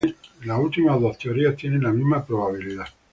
Las últimas dos teorías tienen la misma probabilidad.